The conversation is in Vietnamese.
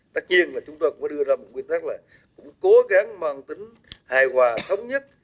tất nhiên chúng tôi cũng đưa ra quy tắc là cố gắng mang tính hài hòa thống nhất